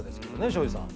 庄司さん。